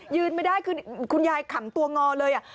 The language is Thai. ยืนไม่ได้คือคุณยายขำตัวงอเลย